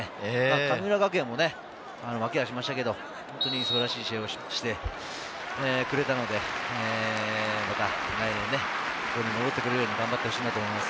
神村学園も負けはしましたけれど、素晴らしい試合をして、くれたので、また来年ここに戻ってこられるように頑張ってほしいと思います。